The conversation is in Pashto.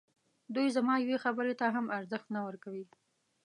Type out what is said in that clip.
دوی زما یوې خبري ته هم ارزښت نه ورکوي.